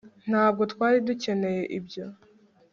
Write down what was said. ntabwo twari dukeneye ibyo